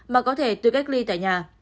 mà có thể tư cách ly tại nhà